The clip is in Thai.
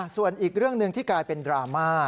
ส่วนอีกเรื่องหนึ่งที่กลายเป็นดราม่า